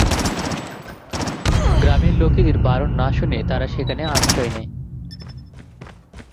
গ্রামের লোকেদের বারণ না শুনে তারা সেখানে আশ্রয় নেয়।